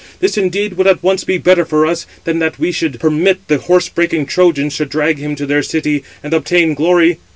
This indeed would at once be better for us, than that we should permit the horse breaking Trojans to drag him to their city, and obtain glory."